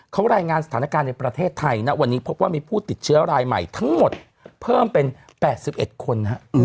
เขารายงานสถานการณ์ในประเทศไทยนะวันนี้พบว่ามีผู้ติดเชื้อรายใหม่ทั้งหมดเพิ่มเป็น๘๑คน